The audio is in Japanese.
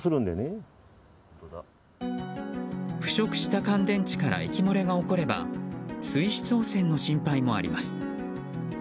腐食した乾電池から液漏れが起これば水質汚染の心配もあります。